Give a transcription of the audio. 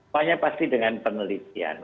pokoknya pasti dengan penelitian